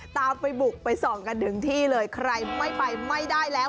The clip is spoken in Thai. ตามไปบุกไปส่องกันถึงที่เลยใครไม่ไปไม่ได้แล้ว